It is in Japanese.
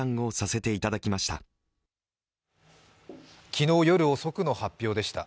昨日夜遅くの発表でした。